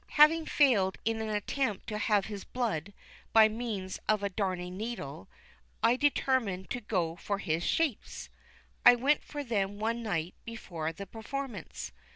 Having failed in an attempt to have his blood by means of a darning needle, I determined to go for his shapes. I went for them one night before the performance.